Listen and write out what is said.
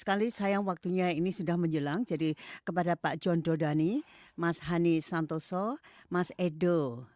sekali sayang waktunya ini sudah menjelang jadi kepada pak jondodani mas hani santoso mas edo